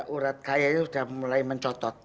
urat kaya itu sudah mulai mencotot